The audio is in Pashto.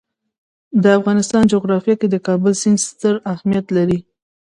د افغانستان جغرافیه کې د کابل سیند ستر اهمیت لري.